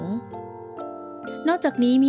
ออกรางวัลที่๖เลขที่๗